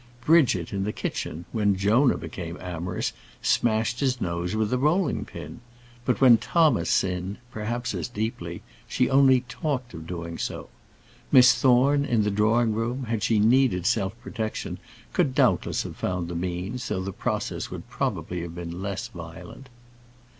Bridget, in the kitchen, when Jonah became amorous, smashed his nose with the rolling pin. But when Thomas sinned, perhaps as deeply, she only talked of doing so. Miss Thorne, in the drawing room, had she needed self protection, could doubtless have found the means, though the process would probably have been less violent.